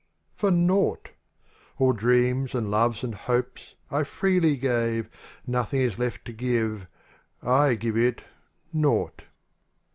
For nought ; All dreams and loves and hopes I freely gave; Nothing is left to give. I give it : Nought.